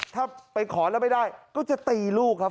ถ้าไปขอแล้วไม่ได้ก็จะตีลูกครับ